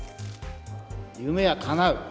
夢はかなう！